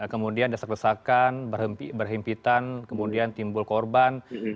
kemudian dasar kesakan berhempitan kemudian timbul korban